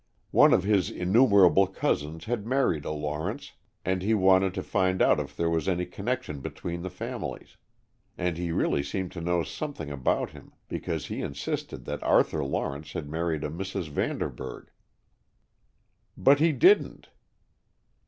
One of his innumerable cousins had married a Lawrence and he wanted to find out if there was any connection between the families. And he really seemed to know something about him, because he insisted that Arthur Lawrence had married a Mrs. Vanderburg." "But he didn't!"